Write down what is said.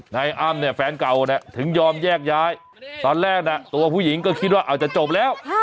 นายอ้ำเนี่ยแฟนเก่าเนี่ยถึงยอมแยกย้ายตอนแรกน่ะตัวผู้หญิงก็คิดว่าอาจจะจบแล้ว